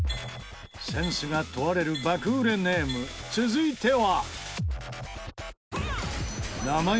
センスが問われる爆売れネーム続いては。